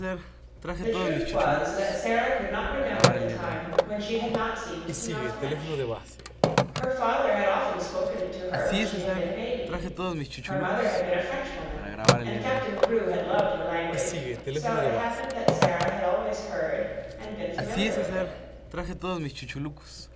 The truth was that Sara could not remember the time when she had not seemed to know French. Her father had often spoken it to her when she had been a baby. Her mother had been a French woman, and Captain Crewe had loved her language, so it happened that Sara had always heard and been familiar with it.